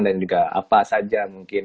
juga apa saja mungkin